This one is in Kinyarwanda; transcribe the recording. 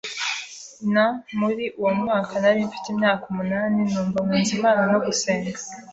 n Muri uwo mwaka nari mfite imyaka umunani numva nkunze Imana no gusenga